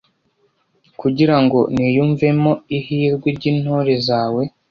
kugira ngo niyumvemo ihirwe ry'intore zawe